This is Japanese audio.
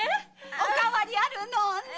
お変わりあるの！ねぇ？